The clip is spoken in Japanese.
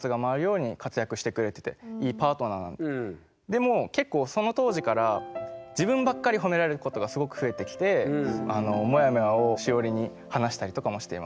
でも結構その当時から自分ばっかり褒められることがすごく増えてきてモヤモヤをシオリに話したりとかもしていました。